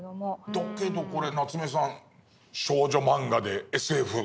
だけどこれ夏目さん少女漫画でＳＦ。